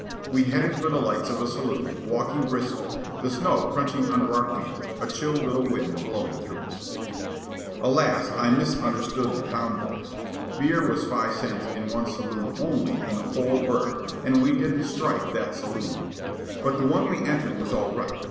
We headed for the lights of a saloon, walking briskly, the snow crunching under our feet, a chill little wind blowing through us. Alas, I had misunderstood the town boys. Beer was five cents in one saloon only in the whole burg, and we didn't strike that saloon. But the one we entered was all right.